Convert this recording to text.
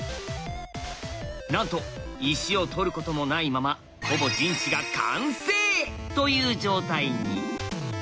なんと石を取ることもないままほぼ陣地が完成！という状態に。